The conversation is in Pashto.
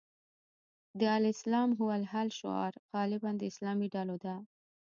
د الاسلام هو الحل شعار غالباً د اسلامي ډلو ده.